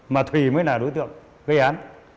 mà thùy mới là đối tượng gây án